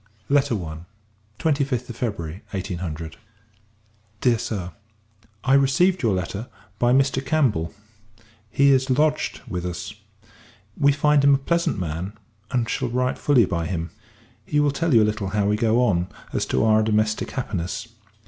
Letters OF LADY HAMILTON, &c. I. 25th of February, [1800.] DEAR SIR, I received your letter by Mr. Campbell. He is lodged with us. We find him a pleasant man; and shall write fully by him. He will tell you a little how we go on, as to our domestic happiness.